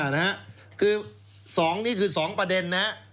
นี่คือ๒ประเด็น